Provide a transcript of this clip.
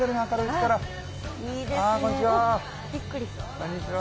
こんにちは。